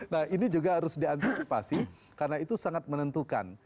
nah ini juga harus diantisipasi karena itu sangat menentukan